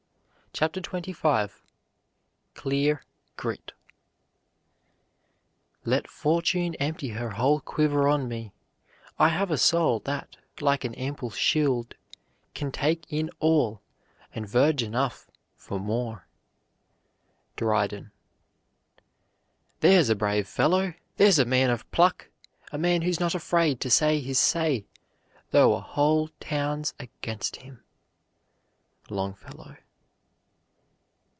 CHAPTER XXV CLEAR GRIT Let fortune empty her whole quiver on me, I have a soul that, like an ample shield, Can take in all, and verge enough for more. DRYDEN. There's a brave fellow! There's a man of pluck! A man who's not afraid to say his say, Though a whole town's against him. LONGFELLOW.